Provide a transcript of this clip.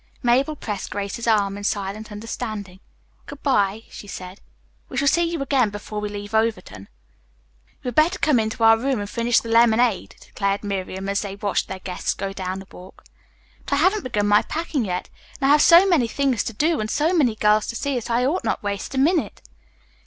Mabel pressed Grace's arm in silent understanding. "Good bye," she said, "we shall see you again before we leave Overton." "You had better come into our room and finish the lemonade," declared Miriam, as they watched their guests go down the walk. "But I haven't begun my packing yet, and I have so many things to do and so many girls to see that I ought not waste a minute."